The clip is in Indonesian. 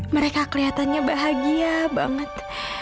mereka keliatannya bahagia banget